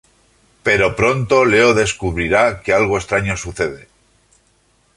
Pero pronto Leo descubrirá que algo extraño sucede.